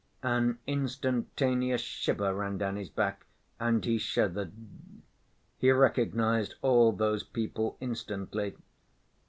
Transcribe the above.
An instantaneous shiver ran down his back, and he shuddered. He recognized all those people instantly.